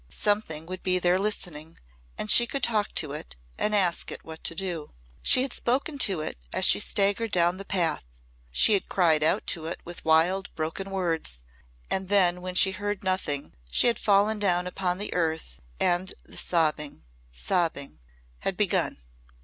Something would be there listening and she could talk to it and ask it what to do. She had spoken to it as she staggered down the path she had cried out to it with wild broken words, and then when she heard nothing she had fallen down upon the earth and the sobbing sobbing had begun.